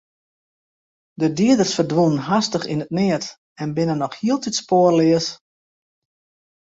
De dieders ferdwûnen hastich yn it neat en binne noch hieltyd spoarleas.